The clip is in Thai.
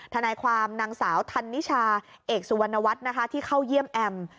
ทนายความนางสาวธันนิชาเอกสุวรรณวัฒน์นะคะที่เข้าเยี่ยมแอม